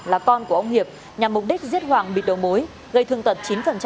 là con của ông hiệp nhằm mục đích giết hoàng bị đổ mối gây thương tật chín